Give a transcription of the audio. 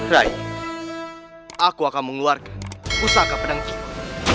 rai aku akan mengeluarkan pusaka pedang giyok